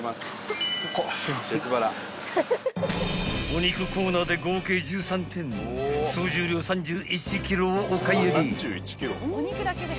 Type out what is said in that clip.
［お肉コーナーで合計１３点総重量３１ｋｇをお買い上げ］